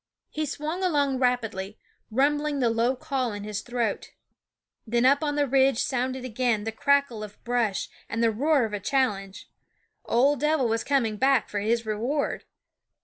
He swung along rapidly, rumbling the low call in his throat. Then up on the ridge rff/he Sound of sounded again the crackle of brush and the &* e Ofrumpef roar of a challenge. Ol' Dev'l was coming back for his reward.